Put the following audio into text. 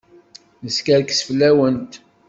Neskerkes fell-awent.